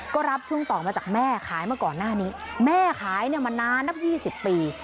ก็รับช่วงต่อมาจากแม่ขายมาก่อนหน้านี้แม่ขายเนี่ยมานานนับ๒๐ปี